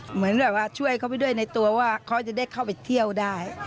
เหมือนแบบว่าช่วยเขาไปด้วยในตัวว่าเขาจะได้เข้าไปเที่ยวได้